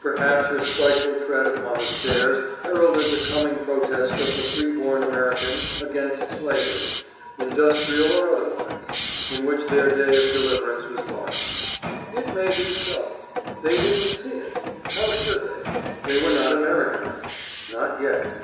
Perhaps her spiteful tread upon the stairs heralded the coming protest of the freeborn American against slavery, industrial or otherwise, in which their day of deliverance was dawning. It may be so. They didn't see it. How should they? They were not Americanized; not yet.